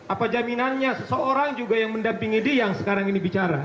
apa jaminannya seseorang juga yang mendampingi dia yang sekarang ini bicara